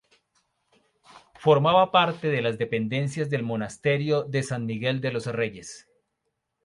Formaba parte de las dependencias del Monasterio de San Miguel de los Reyes.